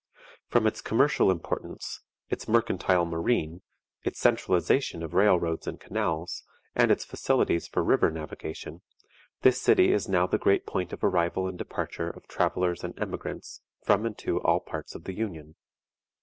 From its commercial importance, its mercantile marine, its centralization of rail roads and canals, and its facilities for river navigation, this city is now the great point of arrival and departure of travelers and emigrants from and to all parts of the Union.